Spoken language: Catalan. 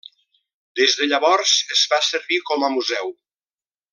Des de llavors es fa servir com a museu.